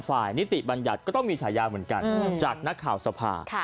นิติบัญญัติก็ต้องมีฉายาเหมือนกันจากนักข่าวสภา